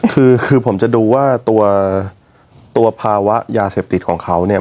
คือคือผมจะดูว่าตัวภาวะยาเสพติดของเขาเนี่ย